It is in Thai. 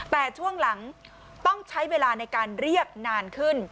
แต่ช่วงหลังต้องใช้เวลาในการเรียกนานขึ้น